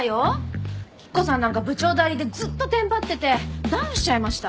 吉子さんなんか部長代理でずっとテンパっててダウンしちゃいました。